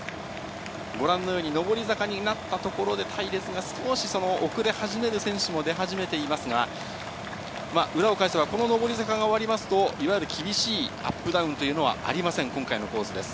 ご覧のように、上り坂になったところで隊列が、少し遅れ始める選手も出始めていますが、裏を返せば、この上り坂が終わりますと、いわゆる厳しいアップダウンというのはありません、今回のコースです。